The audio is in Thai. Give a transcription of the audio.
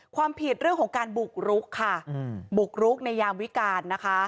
ความผิดเรื่องของการบุกรุกในยามวิการ